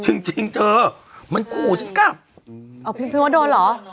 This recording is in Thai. จริงจริงเธอมันขู่ฉันกลับเอาพี่พี่มดโดนเหรอ